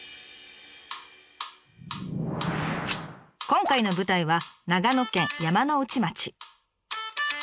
今回の舞台は長野県山ノ内町。